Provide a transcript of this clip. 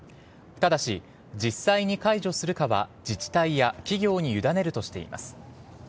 ただし、実際に解除するかは自治体や企業に委ねるとしています。